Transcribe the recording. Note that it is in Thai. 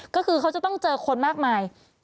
ก็คือเขาจะต้องเจอคนมากมาย